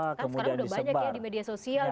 kan sekarang udah banyak ya di media sosial bisa istori